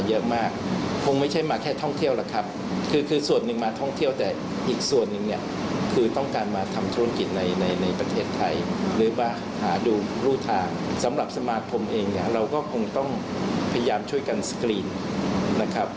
เราก็คงต้องพยายามช่วยกันสกรีนนะครับ